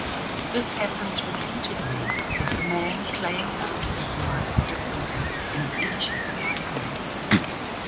This happens repeatedly with the man playing out his life differently in each cycle.